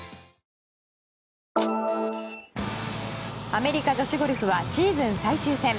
アメリカ女子ゴルフはシーズン最終戦。